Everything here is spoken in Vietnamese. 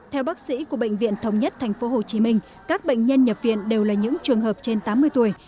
theo bác sĩ của bệnh viện thống nhất thành phố hồ chí minh các bệnh nhân nhập viện đều là những trường hợp trên tám mươi tuổi